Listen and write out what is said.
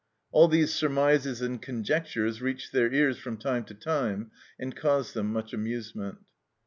All these surmises and conjectures reached their ears from time to time, and caused them much amusement.